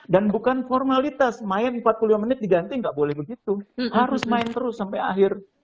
dan bukan formalitas main empat puluh lima menit diganti enggak boleh begitu harus main terus sampai akhir